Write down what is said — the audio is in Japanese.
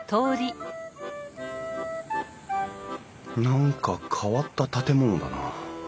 何か変わった建物だな。